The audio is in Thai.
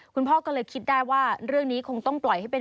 คุณพ่อก็เลยคิดได้ว่าเรื่องนี้คงต้องปล่อยให้เป็น